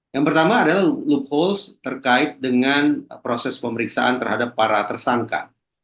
yang pertama adalah loopholes terkait dengan proses pemeriksaan terhadap para tersangka